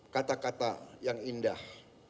kata kata yang indah